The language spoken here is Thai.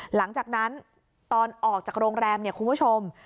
หลังจากนั้นตอนออกจากโรงแรมเนี่ยคุณผู้ชม